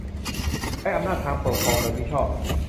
- ใช้อำนาจทางปกครองโดยมิชอบ